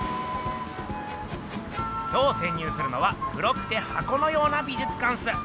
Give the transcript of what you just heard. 今日せん入するのは黒くて箱のような美術館っす。